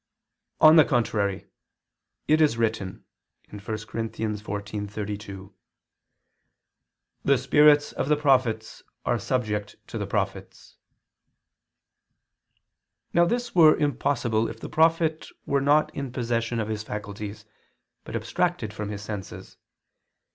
Obj. 4: On the contrary, It is written (1 Cor. 14:32): "The spirits of the prophets are subject to the prophets." Now this were impossible if the prophet were not in possession of his faculties, but abstracted from his senses.